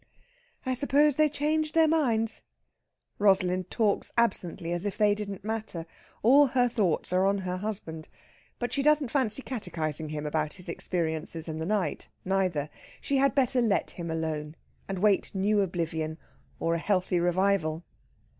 "I supposed they changed their minds." Rosalind talks absently, as if they didn't matter. All her thoughts are on her husband. But she doesn't fancy catechizing him about his experiences in the night, neither. She had better let him alone, and wait new oblivion or a healthy revival.